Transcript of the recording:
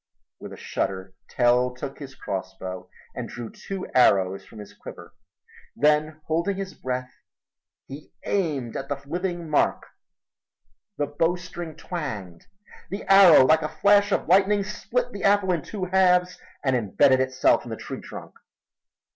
With a shudder Tell took his crossbow and drew two arrows from his quiver. Then holding his breath he aimed at the living mark. The bowstring twanged. The arrow, like a flash of lightning, split the apple in two halves and imbedded itself in the tree trunk.